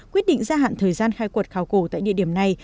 quyết định gia hạn thời gian khai quật khảo cổ tại địa điểm này